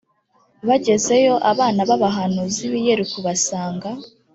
bagezeyo abana b abahanuzi b i yeriko basanga